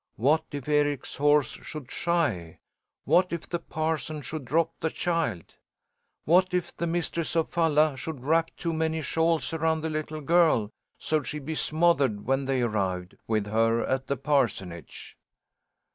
What if Eric's horse should shy? What if the parson should drop the child? What if the mistress of Falla should wrap too many shawls around the little girl, so she'd be smothered when they arrived with her at the parsonage?